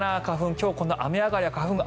今日、雨上がりで花粉が。